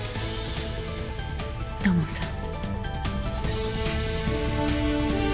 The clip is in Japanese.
土門さん。